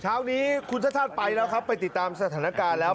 เช้านี้คุณชาติชาติไปแล้วครับไปติดตามสถานการณ์แล้ว